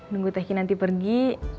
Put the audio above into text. nunggu tehkin nanti pergi